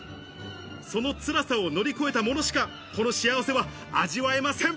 そのつらさを乗り越えた者しか、この幸せは味わえません。